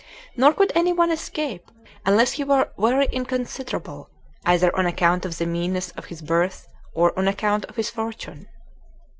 Nor could any one escape, unless he were very inconsiderable, either on account of the meanness of his birth, or on account of his fortune.